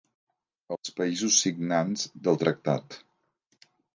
Els països signants del tractat.